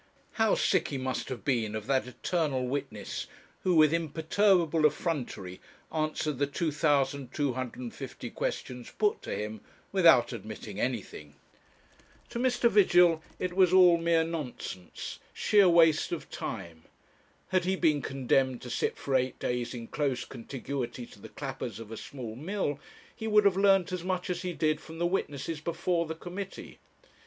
how sick he must have been of that eternal witness who, with imperturbable effrontery, answered the 2,250 questions put to him without admitting anything! To Mr. Vigil it was all mere nonsense, sheer waste of time. Had he been condemned to sit for eight days in close contiguity to the clappers of a small mill, he would have learnt as much as he did from the witnesses before the committee.